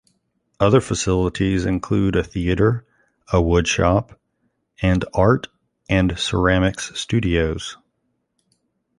Other facilities include a theater, a wood shop, and art and ceramics studios.